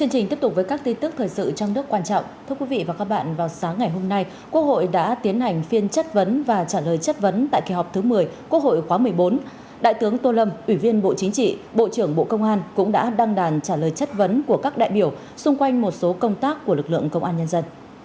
hãy đăng ký kênh để ủng hộ kênh của chúng mình nhé